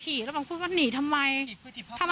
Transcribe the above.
ทำไมคงคืนเขาว่าทำไมคงคืนเขาว่า